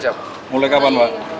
operasional dua puluh empat jam